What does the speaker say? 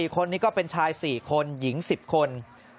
๔คนนี้ก็เป็นชาย๔คนหญิง๑๐คน